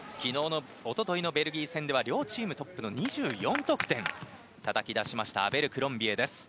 一昨日のベルギー戦は両チームトップの２４得点をたたき出したアベルクロンビエです。